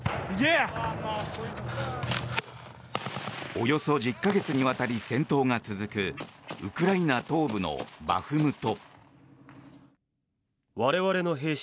およそ１０か月にわたり戦闘が続くウクライナ東部のバフムト。